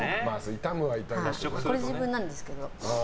これは自分なんですけど。